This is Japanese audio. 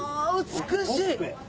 美しい！